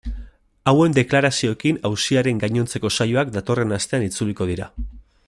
Hauen deklarazioekin auziaren gainontzeko saioak datorren astean itzuliko dira.